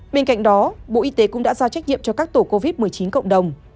bên cạnh đó bộ y tế cũng đã giao trách nhiệm cho các tổ covid một mươi chín cộng đồng